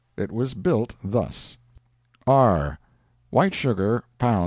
It was built thus: R.—White sugar—lbs.